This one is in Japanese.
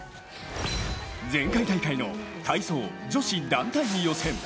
前回大会の体操女子団体予選。